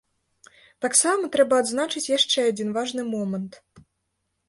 Таксама трэба адзначыць яшчэ адзін важны момант.